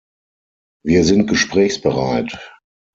Wir sind gesprächsbereit!